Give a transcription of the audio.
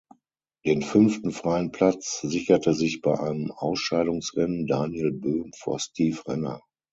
Den fünften freien Platz sicherte sich bei einem Ausscheidungsrennen Daniel Böhm vor Steve Renner.